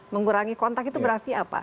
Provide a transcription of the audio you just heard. mengurangi kontak itu berarti apa